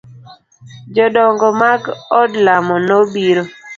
Jodongo mag odlamo no biro.